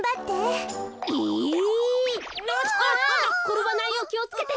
あころばないようきをつけて。